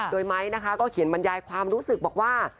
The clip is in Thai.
โดยไมค์นะคะก็เขียนบรรยายความรู้สึกบอกว่า